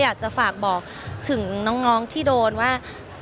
อยากจะฝากบอกถึงน้องที่โดนว่า